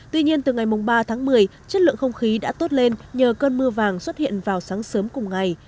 tuy nhiên từ ngày ba tháng một mươi chất lượng không khí đã tốt lên nhờ cơn mưa vàng xuất hiện vào sáng sớm cùng ngày